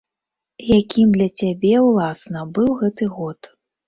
Якім для цябе, уласна, быў гэты год?